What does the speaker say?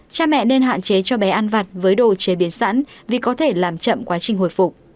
cha mẹ nên hạn chế cho bé ăn vặt với đồ chế biến sẵn vì có thể làm chậm quá trình hồi phục